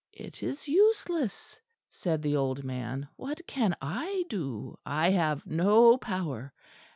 "It is useless," said the old man. "What can I do? I have no power.